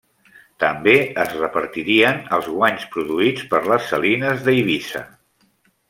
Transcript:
També es repartirien els guanys produïts per les salines d'Eivissa.